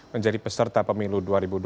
menjadi peserta pemilu dua ribu dua puluh